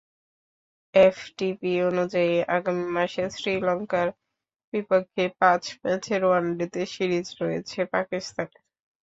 FTP অনুযায়ী, আগামী মাসে শ্রীলঙ্কার বিপক্ষে পাঁচ ম্যাচের ওয়ানডে সিরিজ রয়েছে পাকিস্তানের।